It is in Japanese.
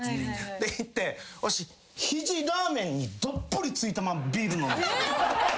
で行ってわし肘ラーメンにどっぷり突いたまんまビール飲んでた。